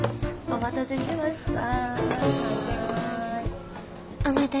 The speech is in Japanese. お待たせしました。